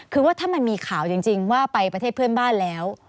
คือว่าถ้ามันมีข่าวจริงว่าไปประเทศเพื่อนบ้านแล้ว